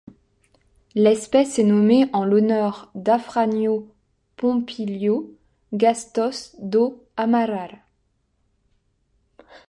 L'espèce est nommée en l'honneur d'Afrânio Pompílio Gastos do Amaral.